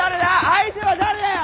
相手は誰だよ？